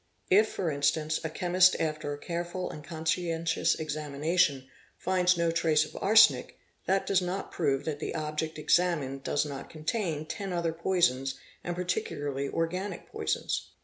If, for instance, a chemist after a careful and conscientious examination finds no trace of arsenic, that does not prove that the object examined does not contain ten other' poisons, and particularly organic poisons.